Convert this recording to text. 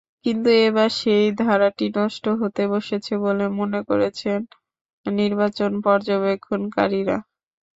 কিন্তু এবার সেই ধারাটি নষ্ট হতে বসেছে বলে মনে করছেন নির্বাচন পর্যবেক্ষণকারীরা।